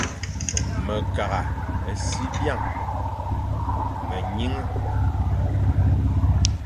Me kagh a si byañ, me nyiñé,